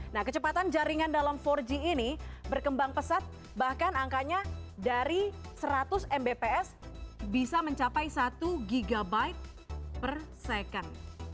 nah kecepatan jaringan dalam empat g ini berkembang pesat bahkan angkanya dari seratus mbps bisa mencapai satu gb per second